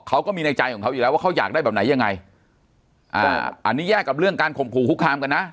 เขาก็มีในใจของเขาอยู่แล้วว่าเขาอยากได้แบบไหนยังไงอ่าอันนี้แยกกับเรื่องการข่มขู่คุกคามกันนะ